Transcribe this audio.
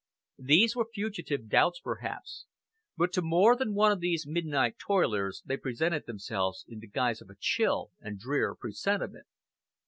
These were fugitive doubts, perhaps, but to more than one of those midnight toilers they presented themselves in the guise of a chill and drear presentiment.